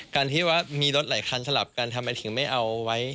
การที่ว่ามีรถหลายคันสลับกันทำไมถึงไม่เอาไว้